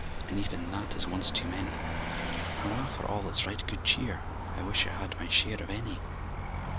(And even that is once too many;) Hurrah for all its right good cheer! (_I wish I had my share of any!